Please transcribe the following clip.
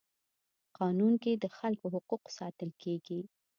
قانون کي د خلکو حقوق ساتل کيږي.